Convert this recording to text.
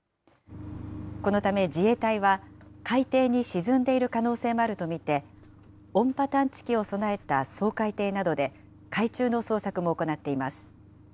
このため自衛隊は、海底に沈んでいる可能性もあると見て、音波探知機を備えた掃海艇などで海中の捜索も行っています。